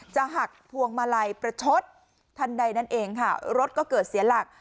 จะหักพวงมาลัยประชดทันใดนั่นเองค่ะรถก็เกิดเสียหลัก